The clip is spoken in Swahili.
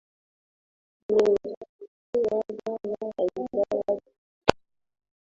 ameuchukua bwana haidal kupata